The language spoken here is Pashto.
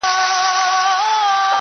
o اشرف المخلوقات یم ما مېږی وژلی نه دی,